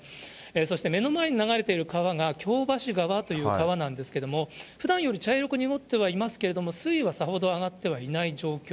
そして目の前に流れている川が、きょうばし川と川なんですけれども、ふだんより茶色く濁ってはいますけれども、水位はさほど上がってはいない状況。